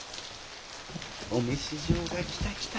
お召し状が来た来た！